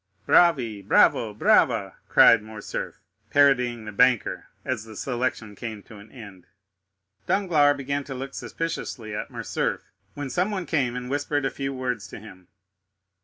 "Bravi! bravo! brava!" cried Morcerf, parodying the banker, as the selection came to an end. Danglars began to look suspiciously at Morcerf, when someone came and whispered a few words to him.